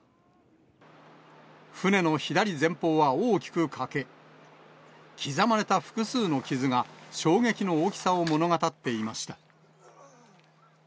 船の左前方は大きく欠け、刻まれた複数の傷が、衝撃の大きさを物語っていました。